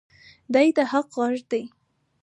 دی د حق غږ دی.